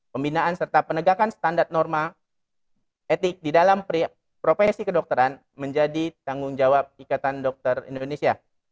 pembinaan serta penegakan standar norma etik di dalam profesi kedokteran menjadi tanggung jawab ikatan dokter indonesia